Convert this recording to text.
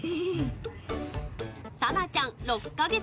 さなちゃん６か月。